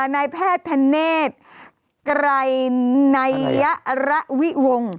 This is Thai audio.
นายแพทย์ธนเนศกรายนายระวิวง